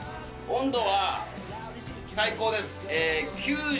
温度は、最高です。